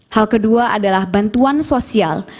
hal kedua adalah bantuan sosial